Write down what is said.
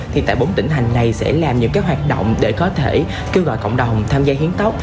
thì tại bốn tỉnh thành này sẽ làm những cái hoạt động để có thể kêu gọi cộng đồng tham gia hiến tấc